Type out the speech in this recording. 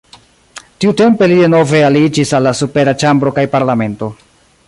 Tiutempe li denove aliĝis al la supera ĉambro kaj parlamento.